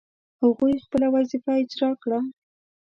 هغوی خپله وظیفه اجرا کړه.